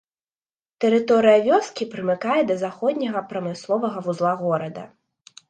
Тэрыторыя вёскі прымыкае да заходняга прамысловага вузла горада.